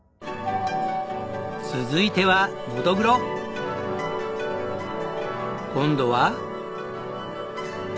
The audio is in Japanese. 続いては今度は。